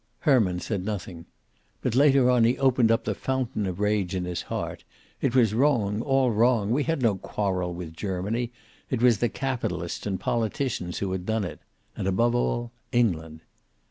Herman said nothing. But later on he opened up the fountain of rage in his heart. It was wrong, all wrong. We had no quarrel with Germany. It was the capitalists and politicians who had done it. And above all, England.